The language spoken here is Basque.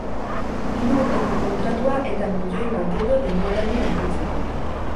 Hiru urteko kontratua eta milioi bat euro denboraldi bakoitzeko.